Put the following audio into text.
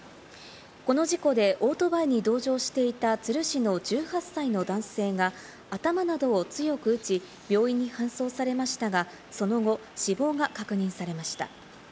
この事故でオートバイに同乗していた都留市の１８歳の男性が頭などを強く打ち、病院に搬送されましたが、その後、死亡が確認されました。